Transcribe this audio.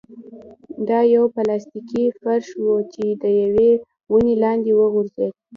دا يو پلاستيکي فرش و چې د يوې ونې لاندې وغوړېد.